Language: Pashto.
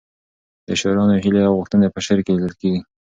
د شاعرانو هیلې او غوښتنې په شعر کې لیدل کېږي.